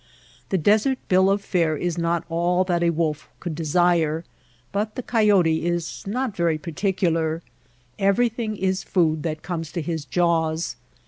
The desert bill of fare is not all that a wolf could desire ; but the coyote is not very particular. Everything is food that comes to his jaws.